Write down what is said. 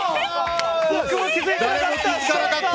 僕も気づいてなかった！